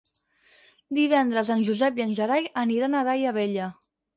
Divendres en Josep i en Gerai aniran a Daia Vella.